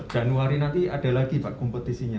januari nanti ada lagi pak kompetisinya